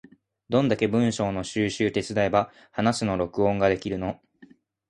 どんだけ文章の収集手伝えば話すの録音ができるの？